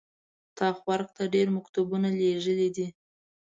تا خو ارګ ته ډېر مکتوبونه لېږلي دي.